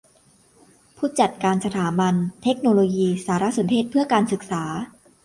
ผู้จัดการสถาบันเทคโนโลยีสารสนเทศเพื่อการศึกษา